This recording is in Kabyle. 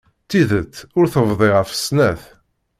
Tidet ur tebḍi ɣef snat.